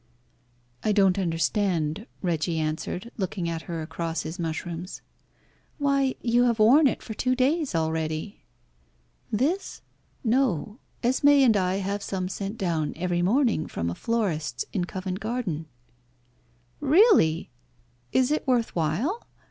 "I don't understand," Reggie answered, looking at her across his mushrooms. "Why, you have worn it for two days already." "This? No. Esmé and I have some sent down every morning from a florist's in Covent Garden." "Really! Is it worth while?"